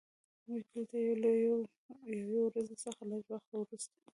موږ دلته یو له یوې ورځې څخه لږ وخت وروسته